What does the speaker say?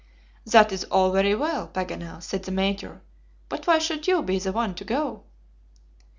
"That is all very well, Paganel," said the Major; "but why should you be the one to go?"